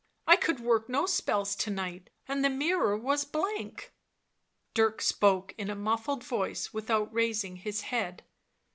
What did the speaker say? I could work no spells to night., and the mirror was blank." Dirk spoke in a muffled voice, without raising his head.